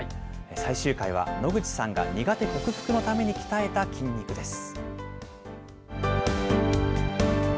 最終回は、野口さんが苦手克服のために鍛えた筋肉です。